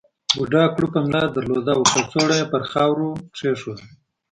بوډا کړوپه ملا درلوده او کڅوړه یې پر خاورو کېښوده.